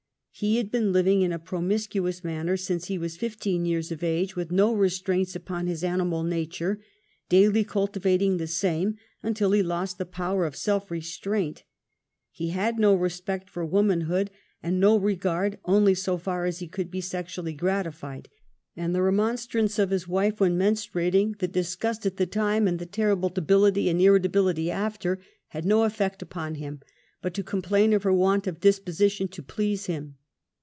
He had been living in a promiscuous manner since he was fifteen years of age, with no restraints upon his animal nature, daily cultivating the same until he lost the power of self restraint. He had no respect for womanhood and no regard, only so far as he could be sexually gratified, and the remonstrance of his wife when menstruating, the disgust at the time, and the terrible debility and irritability after, had no ef fect upon him but to complain of her want of dis position to please him.